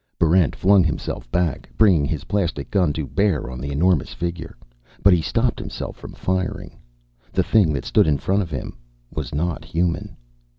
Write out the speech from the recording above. Barrent flung himself back, bringing his plastic gun to bear on the enormous figure. But he stopped himself from firing. The thing that stood in front of him was not human.